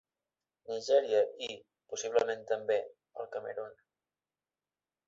Nigèria i, possiblement també, el Camerun.